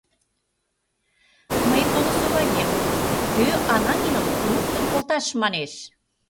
— Мый голосоваем: кӧ Ананиным луктын колташ манеш?